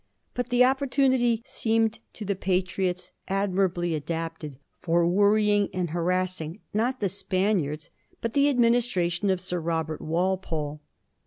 But the opportunity S3emed to the ' Patriots ' ad mirably adapted for worrying and harassing, not the Spaniards, but the administration of Sir Robert Walpole.